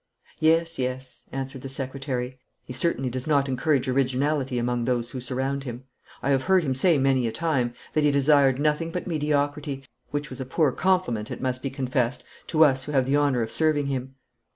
'Yes, yes,' answered the secretary. 'He certainly does not encourage originality among those who surround him. I have heard him say many a time that he desired nothing but mediocrity, which was a poor compliment, it must be confessed, to us who have the honour of serving him.'